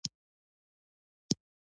ایا زه باید مینه وکړم؟